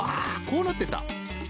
こうなってた！